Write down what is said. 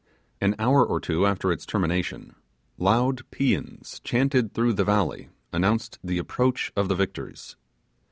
An hour or two after its termination, loud paeans chanted through the valley announced the approach of the victors.